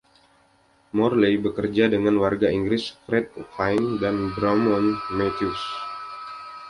Morley bekerja dengan warga Inggris Fred Vine dan Drummond Matthews.